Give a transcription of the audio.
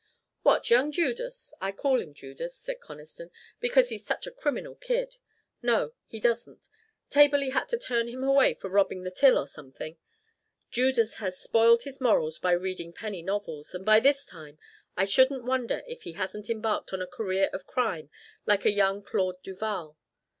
"What, young Judas I call him Judas," said Conniston, "because he's such a criminal kid. No, he doesn't. Taberley had to turn him away for robbing the till or something. Judas has spoiled his morals by reading penny novels, and by this time I shouldn't wonder if he hasn't embarked on a career of crime like a young Claude Duval.